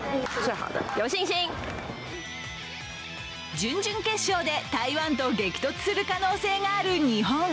準々決勝で台湾と激突する可能性がある日本。